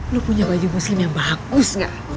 lu punya baju muslim yang bagus gak